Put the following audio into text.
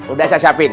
udah saya siapin